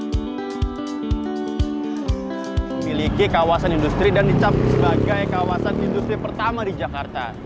memiliki kawasan industri dan dicap sebagai kawasan industri pertama di jakarta